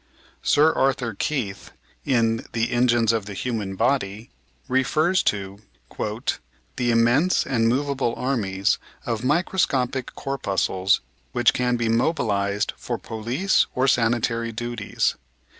Sir Arthur Keith, in The Engines of the Human Body, refers to "the im mense and movable armies of microscopic corpuscles which can be mobilised for police or sanitary duties.